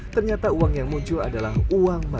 ternyata uang yang muncul adalah uang mereka